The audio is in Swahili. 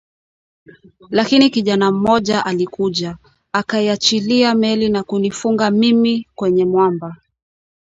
Lakini kijana mmoja alikuja, akaiachilia meli na kunifunga mimi kwenye mwamba